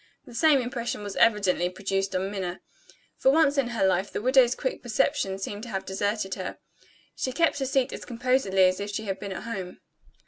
The same impression was evidently produced on Minna. For once in her life, the widow's quick perception seemed to have deserted her. She kept her seat as composedly as if she had been at home.